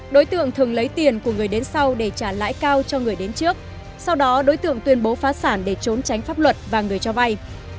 đối tượng thường lấy tiền của người đến sau để trả lãi cao cho người đến trước sau đó đối tượng tuyên bố phá sản để trốn tránh pháp luật và người cho vay